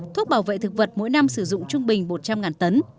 thuốc bảo vệ thực vật mỗi năm sử dụng trung bình một trăm linh tấn